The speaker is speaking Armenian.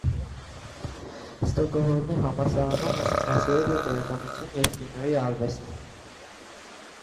Ստոկոհոլմի համալսարանում ուսումնասիրել է գրականություն և կինոյի արվեստ։